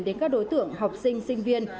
đến các đối tượng học sinh sinh viên